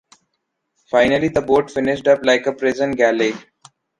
Finally, the boat finished up like a prison galley.